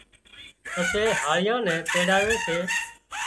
پسي هاۯيائان نين تيڙاوي سي